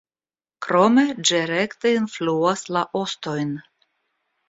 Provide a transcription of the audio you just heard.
Krome ĝi rekte influas la ostojn.